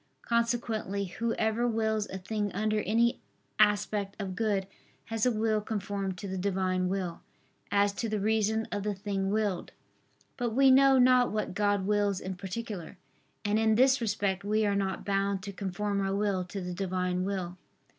Consequently whoever wills a thing under any aspect of good, has a will conformed to the Divine will, as to the reason of the thing willed. But we know not what God wills in particular: and in this respect we are not bound to conform our will to the Divine will.